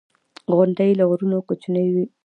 • غونډۍ له غرونو کوچنۍ وي.